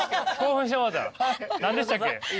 何でしたっけ？